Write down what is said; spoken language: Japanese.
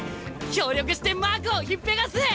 協力してマークをひっぺがす！